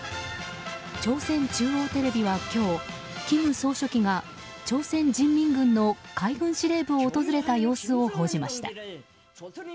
朝鮮中央テレビは今日金総書記が朝鮮人民軍の海軍司令部を訪れた様子を報じました。